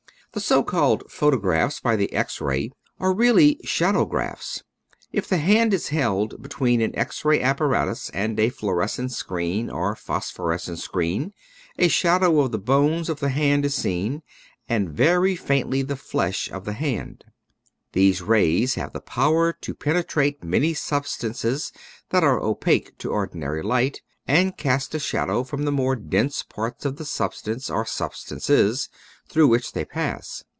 The so called photographs by the X ray are really shadow graphs. If the hand is held between an X ray apparatus and a fluorescent screen or phos phorescent screen a shadow of the bones of the hand is seen, and very faintly the flesh of the hand. These rays have the power to penetrate many substances that are opaque to ordinary light and cast a shadow from the more dense parts of the substance or substances through which they pass.